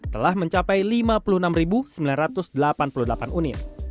telah mencapai lima puluh enam sembilan ratus delapan puluh delapan unit